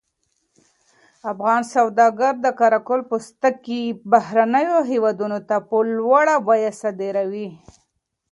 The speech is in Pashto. افغان سوداګر د قره قل پوستکي بهرنیو هېوادونو ته په لوړه بیه صادروي.